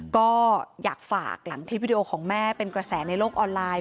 ก็อยากฝากหลังคลิปวิดีโอของแม่เป็นกระแสในโลกออนไลน์